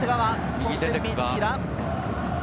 そして三平。